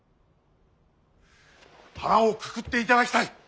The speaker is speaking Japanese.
腹をくくっていただきたい。